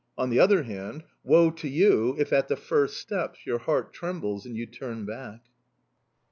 On the other hand, woe to you if, at the first steps, your heart trembles and you turn back!"